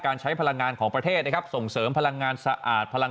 ใช้พลังงานของประเทศนะครับส่งเสริมพลังงานสะอาดพลัง